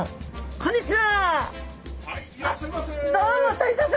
こんにちは。